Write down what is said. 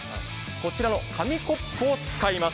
こちらの紙コップを使います。